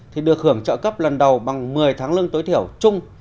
thì được hưởng trợ cấp lần đầu bằng một mươi tháng lương tối thiểu chung